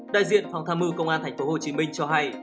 đại diện phòng tham mưu công an tp hcm cho hay